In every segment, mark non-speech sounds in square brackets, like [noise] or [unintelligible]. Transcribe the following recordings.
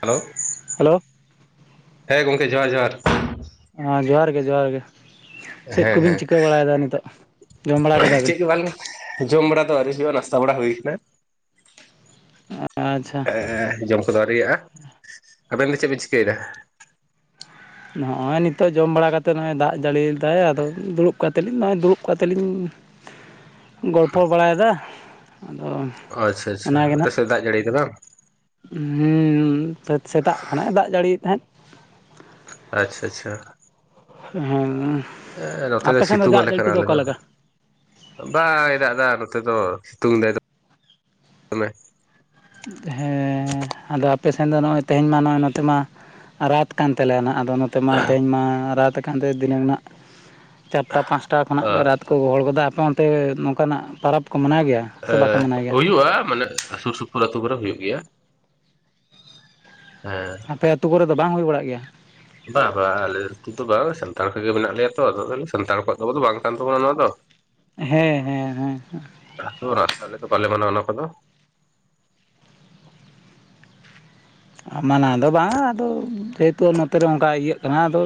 Hello. Hello ᱦᱮᱸ ᱜᱚᱢᱠᱮ ᱡᱚᱦᱟᱨ ᱡᱚᱦᱟᱨ ᱾ ᱦᱮᱸ ᱡᱚᱦᱟᱨ ᱜᱮ ᱡᱚᱦᱟᱨ ᱜᱮ ᱾ ᱪᱮᱫ ᱦᱮᱸ ᱠᱚᱵᱤᱱ ᱦᱮᱸ ᱪᱤᱠᱟᱹ ᱵᱟᱲᱟᱭᱮᱫᱟ ᱱᱤᱛᱚᱜ, ᱡᱚᱢ ᱵᱟᱲᱟ ᱠᱮᱫᱟ ᱪᱮᱫ ᱵᱤᱱ? ᱜᱮ ᱵᱟᱝ ᱡᱚᱢ ᱵᱟᱲᱟ ᱫᱚ ᱟᱹᱣᱨᱤ ᱦᱩᱭᱩᱜᱼᱟ ᱱᱟᱥᱛᱟ ᱵᱟᱲᱟ ᱦᱩᱭ ᱟᱠᱟᱱᱟ ᱾ ᱟᱪᱪᱷᱟ ᱾ ᱡᱚᱢ ᱠᱚᱫᱚ ᱟᱹᱣᱨᱤᱭᱟᱜᱼᱟ ᱾ ᱟᱵᱮᱱ ᱫᱚ ᱪᱮᱫ ᱵᱮᱱ ᱪᱤᱠᱟᱹᱭᱮᱫᱟ? ᱱᱚᱜᱼᱚᱭ ᱱᱤᱛᱚᱜ ᱡᱚᱢ ᱵᱟᱲᱟ ᱠᱟᱛᱮᱫ ᱱᱚᱜᱼᱚᱭ ᱫᱟᱜ ᱡᱟᱹᱲᱤᱭᱮᱫᱟᱭ ᱟᱫᱚ ᱫᱩᱲᱩᱵ ᱠᱟᱛᱮ ᱞᱤᱧ ᱱᱚᱜᱼᱚᱭ ᱫᱩᱲᱩᱵ ᱠᱟᱛᱮ ᱞᱤᱧ [inaudible] ᱜᱚᱞᱯᱚ ᱵᱟᱲᱟᱭ ᱫᱟ ᱟᱫᱚ ᱟᱪᱪᱷᱟ ᱟᱪᱪᱷᱟ ᱾ ᱚᱱᱟᱜᱮ ᱟᱯᱮ ᱱᱟᱜ ᱥᱮᱫ ᱫᱟᱜ ᱡᱟᱹᱲᱤ ᱠᱟᱫᱟ? ᱦᱮᱸ ᱥᱮᱛᱟᱜ ᱠᱷᱚᱱᱟᱜ ᱫᱟᱜ ᱡᱟᱹᱲᱤᱭᱮᱫ ᱛᱟᱦᱮᱸᱫ᱾ ᱟᱪᱪᱷᱟ ᱟᱪᱪᱷᱟ ᱦᱩᱸ ᱦᱮᱸ ᱱᱚᱛᱮ ᱫᱚ ᱥᱤᱛᱩᱝ ᱟᱞᱮ ᱠᱟᱱᱟ ᱟᱞᱮ ᱫᱚ᱾ ᱵᱟᱭ ᱫᱟᱜ ᱫᱟ ᱱᱚᱛᱮ ᱫᱚ ᱥᱤᱛᱩᱝ ᱫᱟᱭ ᱫᱚᱢᱮ᱾ ᱦᱮᱸ ᱟᱫᱚ ᱟᱯᱮ ᱥᱮᱱ ᱫᱚ ᱱᱚᱜᱼᱚᱭ ᱛᱮᱦᱮᱧ [unintelligible] ᱱᱚᱛᱮ ᱢᱟ ᱨᱟᱛ ᱠᱟᱱ ᱛᱟᱞᱮᱭᱟ ᱱᱟᱦᱟᱜ ᱟᱫᱚ ᱱᱚᱛᱮ ᱢᱟ ᱛᱮᱦᱮᱧ ᱢᱟ ᱨᱟᱛ ᱟᱠᱟᱱ ᱛᱮ ᱫᱤᱱᱟᱹᱢ ᱨᱮᱱᱟᱜ ᱪᱟᱨᱴᱟ ᱯᱟᱸᱥᱴᱟ ᱠᱷᱚᱱᱟᱜ ᱜᱮ ᱨᱟᱛ ᱠᱚ ᱜᱚᱦᱚᱲ ᱜᱚᱫᱟ᱾ ᱟᱯᱮ ᱚᱱᱛᱮ ᱱᱚᱝᱠᱟᱱᱟᱜ ᱯᱟᱨᱟᱵ ᱠᱚ ᱢᱟᱱᱟᱣ ᱜᱮᱭᱟ? ᱥᱮ ᱵᱟᱠᱚ ᱢᱟᱱᱟᱣ ᱜᱮᱭᱟ ᱦᱩᱭᱩᱜᱼᱟ ᱢᱟᱱᱮ ᱥᱩᱨ ᱥᱩ ᱚᱱᱟ ᱟᱛᱩ ᱠᱚᱨᱮ ᱦᱩᱭᱩᱜ ᱜᱮᱭᱟ ᱾ ᱦᱮᱸ ᱟᱯᱮ ᱟᱹᱛᱩ ᱠᱚᱨᱮ ᱫᱚ ᱵᱟᱝ ᱦᱩᱭ ᱵᱟᱲᱟᱜ ᱜᱮᱭᱟ? ᱵᱟ ᱵᱟᱝ ᱟᱞᱮ ᱟᱹᱛᱩ ᱫᱚ ᱵᱟᱝ ᱥᱟᱱᱛᱟᱲ ᱠᱚᱜᱮ ᱢᱮᱱᱟᱜ ᱞᱮᱭᱟ ᱛᱚ ᱥᱟᱱᱛᱟᱲ ᱠᱚᱣᱟᱜ ᱫᱚ ᱵᱟᱝ ᱠᱟᱱ ᱛᱟᱵᱚᱱᱟ ᱱᱚᱣᱟ ᱫᱚ᱾ [inaudible] ᱦᱮᱸ ᱦᱮᱸ ᱦᱮᱸ ᱦᱮᱸ ᱦᱮᱸ [unintelligible] ᱵᱟᱞᱮ ᱢᱟᱱᱟᱣᱟ ᱚᱱᱟ ᱠᱚᱫᱚ ᱢᱟᱱᱟᱣ ᱫᱚ ᱵᱟᱝ ᱟᱫᱚ ᱡᱮᱦᱮᱛᱩ ᱱᱚᱛᱮᱨᱮ ᱚᱱᱠᱟ ᱤᱭᱟᱹᱜ ᱠᱟᱱᱟ ᱟᱫᱚ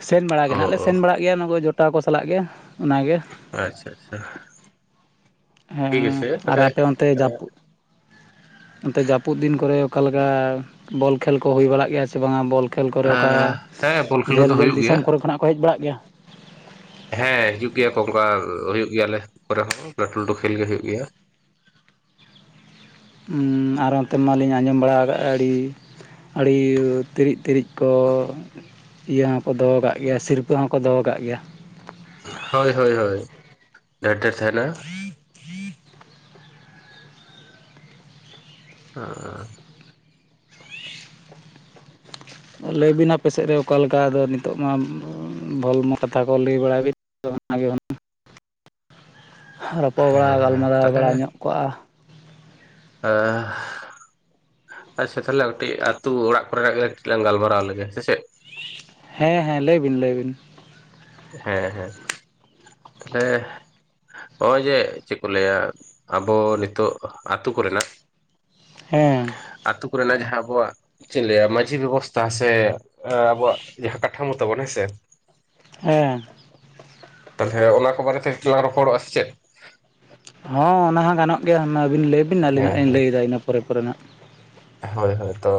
ᱥᱮᱱ ᱵᱟᱲᱟᱜᱮ ᱚ ᱱᱟᱦᱟᱜ ᱞᱮ ᱚ ᱥᱮᱱ ᱵᱟᱲᱟᱜ ᱜᱮᱭᱟ ᱚᱱᱟ ᱠᱚ ᱡᱚᱴᱟᱣ ᱠᱚ ᱥᱟᱞᱟᱜ ᱜᱮ ᱚᱱᱟᱜᱮ᱾ ᱟᱪᱪᱷᱟ ᱟᱪᱪᱷᱟ [inaudible] ᱦᱮᱸ ᱴᱷᱤᱠ ᱟᱪᱷᱮ ᱟᱨ ᱛᱟᱦᱚᱞᱮ ᱟᱯᱮ ᱚᱱᱛᱮ ᱡᱟᱹᱯᱩᱫ ᱱᱚᱛᱮ ᱡᱟᱹᱯᱩᱫ ᱫᱤᱱ ᱠᱚᱨᱮ ᱚᱠᱟᱞᱮᱠᱟ ᱵᱚᱞ ᱠᱷᱮᱞ ᱠᱚ ᱦᱩᱭ ᱵᱟᱲᱟᱜ ᱜᱮᱭᱟ ᱥᱮ ᱵᱟᱝᱟ ᱵᱚᱞ ᱠᱷᱮᱞ ᱠᱚᱨᱮ ᱚᱠᱟ ᱟᱸ ᱦᱮᱸ ᱵᱚᱞ ᱠᱷᱮᱞ ᱡᱷᱟᱹᱞ ᱠᱚᱫᱚ ᱡᱷᱟᱹᱞ ᱦᱩᱭᱩᱜ ᱜᱮᱭᱟ ᱫᱤᱥᱚᱢ ᱠᱚᱨᱮ ᱠᱷᱚᱱᱟᱜ ᱠᱚ ᱦᱮᱡ ᱵᱟᱲᱟᱜ ᱜᱮᱭᱟ? ᱦᱮᱸ ᱦᱤᱡᱩᱜ ᱜᱮᱭᱟ ᱠᱚ ᱚᱱᱠᱟ ᱦᱳᱭᱳᱜ ᱜᱮᱭᱟ᱾ [unintelligible] ᱦᱚᱸ ᱞᱟᱹᱴᱩ ᱞᱟᱹᱴᱩ ᱠᱷᱮᱞ ᱜᱮ ᱦᱩᱭᱩᱜ ᱜᱮᱭᱟ᱾ ᱟᱨ ᱚᱱᱛᱮ ᱢᱟᱞᱤᱧ ᱟᱸᱡᱚᱢ ᱵᱟᱲᱟ ᱠᱟᱜᱼᱟ ᱟᱹᱰᱤ ᱟᱹᱰᱤ ᱛᱤᱨᱤᱡ ᱛᱤᱨᱤᱡ ᱠᱚ ᱤᱭᱟᱹ ᱦᱚᱸᱠᱚ ᱫᱚᱦᱚ ᱟᱠᱟᱜ ᱜᱮᱭᱟ ᱥᱤᱨᱯᱟᱹ ᱦᱚᱸᱠᱚ ᱫᱚᱦᱚ ᱟᱠᱟᱜ ᱜᱮᱭᱟ ᱦᱳᱭ ᱦᱳᱭ ᱦᱳᱭ [unintelligible] ᱰᱷᱮᱨ ᱰᱷᱮᱨ ᱛᱟᱦᱮᱱᱟ ᱦᱮᱸ ᱞᱟᱹᱭ ᱵᱤᱱ ᱟᱯᱮ ᱥᱮᱫ ᱨᱮ ᱚᱠᱟ ᱞᱮᱠᱟ ᱟᱫᱚ ᱱᱤᱛᱚᱜ ᱢᱟ ᱵᱚᱞ [unintelligible] ᱠᱟᱛᱷᱟ ᱠᱚ ᱞᱟᱹᱭ ᱵᱟᱲᱟᱭ ᱵᱤᱱ ᱚᱱᱟ ᱜᱮ ᱦᱩᱱᱟᱝ [unintelligible] ᱨᱚᱯᱚᱲ ᱦᱮᱸ ᱵᱟᱲᱟ ᱦᱮᱸ ᱜᱟᱞᱢᱟᱨᱟᱣ ᱛᱟᱦᱚᱞᱮ ᱵᱟᱲᱟ ᱧᱚᱜ ᱠᱚᱜᱼᱟ [unintelligible] ᱟᱪᱪᱷᱟ ᱛᱟᱦᱚᱞᱮ ᱠᱟᱹᱴᱤᱡ ᱟᱹᱛᱩ ᱚᱲᱟᱜ ᱠᱚ ᱨᱮᱱᱟᱜ ᱠᱟᱹᱴᱤᱡ ᱞᱟᱝ ᱜᱟᱞᱢᱟᱨᱟᱣ ᱞᱮᱜᱮ ᱥᱮ ᱪᱮᱫ ᱦᱮᱸ ᱦᱮᱸ ᱞᱟᱹᱭ ᱵᱤᱱ ᱞᱟᱹᱭ ᱵᱤᱱ ᱦᱮᱸ ᱦᱮᱸ ᱛᱟᱦᱚᱞᱮ ᱱᱚᱜᱼᱚᱭ ᱡᱮ ᱪᱮᱫ ᱠᱚ ᱞᱟᱹᱭᱟ ᱟᱵᱚ ᱱᱤᱛᱚᱜ ᱟᱛᱳ ᱠᱚᱨᱮᱱᱟᱜ ᱦᱮᱸ ᱟᱹᱛᱩ ᱠᱚᱨᱮᱱᱟᱜ ᱡᱟᱦᱟᱸ ᱟᱵᱚᱣᱟᱜ ᱪᱮᱫ ᱞᱟᱹᱭᱟ ᱢᱟᱹᱡᱷᱤ ᱵᱮᱵᱚᱥᱛᱷᱟ ᱥᱮ ᱟᱵᱚᱣᱟᱜ ᱡᱟᱦᱟᱸ ᱠᱟᱴᱷᱟᱢᱳ ᱛᱟᱵᱚᱱ ᱦᱮᱸᱥᱮ ᱦᱮᱸ ᱛᱟᱦᱚᱞᱮ ᱚᱱᱟ ᱠᱚ ᱵᱟᱨᱮᱛᱮ ᱠᱟᱹᱴᱤᱡ ᱞᱟᱝ ᱨᱚᱯᱚᱲᱚᱜ -ᱟ ᱥᱮ ᱪᱮᱫ ᱦᱚᱸ ᱚᱱᱟ ᱦᱚᱸ ᱜᱟᱱᱚᱜ ᱜᱮᱭᱟ ᱟᱹᱵᱤᱱ ᱞᱟᱹᱭ ᱵᱤᱱ ᱟᱹᱞᱤᱧ ᱦᱟᱜ ᱦᱮᱸ ᱞᱤᱧ ᱞᱟᱹᱭᱮᱫᱟ ᱤᱱᱟᱹ ᱯᱚᱨᱮ ᱯᱚᱨᱮ ᱦᱟᱜ ᱦᱳᱭ ᱦᱳᱭ ᱛᱚ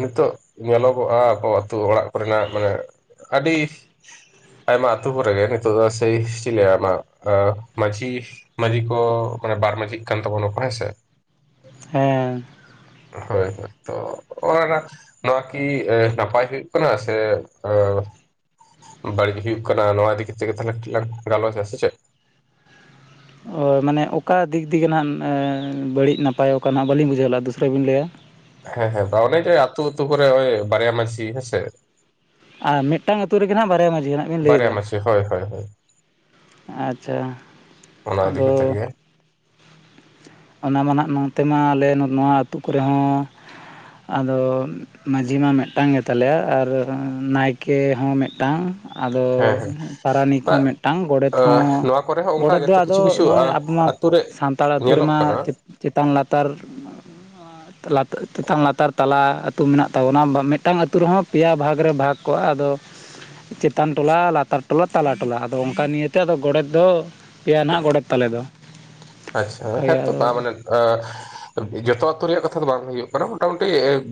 ᱱᱤᱛᱚᱜ ᱧᱮᱞᱚᱜᱚᱜᱼᱟ ᱟᱵᱚ ᱟᱹᱛᱩ ᱚᱲᱟᱜ ᱠᱚᱨᱮᱱᱟᱜ ᱢᱟᱱᱮ ᱟᱹᱰᱤ ᱟᱭᱢᱟ ᱟᱹᱛᱩ ᱠᱚ ᱨᱮᱜᱮ ᱱᱤᱛᱚᱜ ᱫᱚ ᱥᱮ ᱪᱮᱫ ᱞᱟᱹᱭ ᱟᱢᱟ ᱢᱟᱹᱡᱷᱤ ᱢᱟᱹᱡᱷᱤ ᱠᱚ ᱢᱟᱱᱮ ᱵᱟᱨ ᱢᱟᱹᱡᱷᱤᱜ ᱠᱟᱱ ᱛᱟᱵᱚᱱᱟ ᱠᱚ ᱦᱮᱸᱥᱮ ᱦᱮᱸ ᱦᱳᱭ ᱦᱳᱭ ᱛᱚ ᱚᱱᱟ ᱱᱚᱣᱟ ᱠᱤ ᱱᱟᱯᱟᱭ ᱦᱩᱭᱩᱜ ᱠᱟᱱᱟ ᱥᱮ ᱵᱟᱹᱲᱤᱡ ᱦᱩᱭᱩᱜ ᱠᱟᱱᱟ ᱱᱚᱣᱟ ᱤᱫᱤ ᱠᱟᱛᱮᱫ ᱜᱮ ᱛᱟᱦᱚᱞᱮ ᱠᱟᱴᱤᱡ ᱞᱟᱝ ᱜᱟᱞᱚᱪᱟ ᱥᱮ ᱪᱮᱫ ᱚ ᱢᱟᱱᱮ ᱚᱠᱟ ᱫᱤᱠ ᱫᱤᱭᱤ ᱦᱟᱸᱜ ᱵᱟᱹᱲᱤᱡ ᱱᱟᱯᱟᱭ ᱚᱠᱟ ᱱᱟᱜ ᱵᱟᱹᱞᱤᱧ ᱵᱩᱡᱷᱟᱹᱣ ᱞᱮᱫᱼᱟ ᱫᱚᱥᱨᱟ ᱵᱤᱱ ᱞᱟᱹᱭᱟ ᱦᱮᱸ ᱦᱮᱸ ᱵᱟ ᱚᱱᱮ ᱡᱮ ᱟᱹᱛᱩ ᱟᱹᱛᱩ ᱠᱚᱨᱮ ᱚᱭ ᱵᱟᱨᱭᱟ ᱢᱟᱹᱡᱷᱤ ᱦᱮᱸ ᱥᱮ ᱟᱨ ᱢᱤᱫᱴᱟᱝ ᱟᱹᱛᱩ ᱨᱮᱜᱮ ᱱᱟᱦᱟᱸᱜ ᱵᱟᱨᱭᱟ ᱢᱟᱹᱡᱷᱤ ᱦᱟᱸᱜ ᱵᱤᱱ ᱞᱟᱹᱭ ᱮᱫᱟ [unintelligible] ᱦᱚᱭ ᱦᱚᱭ ᱟᱪᱪᱷᱟ ᱚᱱᱟ ᱤᱫᱤ ᱟᱫᱚ ᱠᱟᱛᱮᱫ ᱜᱮ ᱚᱱᱟ ᱢᱟ ᱱᱟᱦᱟᱜ ᱱᱚᱱᱚᱛᱮ ᱢᱟ ᱟᱞᱮ ᱱᱚᱣᱟ ᱟᱹᱛᱩ ᱠᱚᱨᱮ ᱦᱚᱸ ᱟᱫᱚ ᱢᱟᱺᱡᱷᱤ ᱢᱟ ᱢᱤᱫᱴᱟᱝ ᱜᱮ ᱛᱟᱞᱮᱭᱟ ᱟᱨ ᱱᱟᱭᱠᱮ ᱦᱚᱸ ᱢᱤᱫᱴᱟᱝ ᱟᱫᱚ ᱦᱮᱸ ᱦᱮᱸ ᱯᱟᱨᱟᱱᱤᱠ ᱠᱚ ᱦᱚᱸ ᱢᱤᱫᱴᱟᱝ ᱜᱚᱰᱮᱛ ᱦᱚᱸ ᱟᱸ ᱱᱚᱣᱟ ᱠᱚᱨᱮ ᱦᱚᱸ ᱚᱱᱠᱟ ᱜᱚᱰᱮᱛ ᱫᱚ ᱜᱮᱛᱚ ᱟᱫᱚ ᱠᱤᱪᱷᱩ ᱠᱤᱪᱷᱩ ᱱᱚᱜᱼᱚᱭ ᱟᱛᱳ [unintelligible] ᱨᱮ ᱥᱟᱱᱛᱟᱲ ᱟᱹᱛᱩ ᱧᱮᱞᱚᱜ ᱠᱟᱱᱟ ᱨᱮᱢᱟ ᱪᱮᱛᱟᱱ ᱞᱟᱛᱟᱨ [unintelligible] [unintelligible] ᱪᱮᱛᱟᱱ ᱞᱟᱛᱟᱨ ᱛᱟᱞᱟ ᱟᱹᱛᱩ ᱢᱮᱱᱟᱜ ᱛᱟᱵᱚᱱᱟ ᱢᱤᱫᱴᱟᱱ ᱟᱹᱛᱩ ᱨᱮᱦᱚᱸ ᱯᱮᱭᱟ ᱵᱷᱟᱜᱽ ᱨᱮ ᱵᱷᱟᱜᱽ ᱠᱚᱜᱼᱟ ᱟᱫᱚ ᱪᱮᱛᱟᱱ ᱴᱚᱞᱟ ᱞᱟᱛᱟᱨ ᱴᱚᱞᱟ ᱛᱟᱞᱟ ᱴᱚᱞᱟ ᱟᱫᱚ ᱚᱱᱠᱟ ᱱᱤᱭᱮᱛᱮ ᱟᱫᱚ ᱜᱚᱰᱮᱛ ᱫᱚ ᱯᱮᱭᱟ ᱱᱟᱦᱟᱜ ᱜᱚᱰᱮᱛ ᱛᱟᱞᱮ ᱫᱚ ᱟᱪᱪᱷᱟ ᱚᱱᱠᱟᱜᱮ [unintelligible] ᱛᱚ [unintelligible] ᱟᱫᱚ ᱢᱟᱱᱮ [unintelligible] ᱡᱚᱛᱚ ᱟᱹᱛᱩ ᱨᱮᱭᱟᱜ ᱠᱟᱛᱷᱟ ᱫᱚ ᱵᱟᱝ ᱦᱩᱭᱩᱜ ᱠᱟᱱᱟ ᱢᱚᱴᱟᱢᱩᱴᱤ